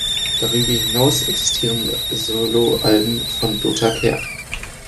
Darüber hinaus existieren Soloalben von Dota Kehr.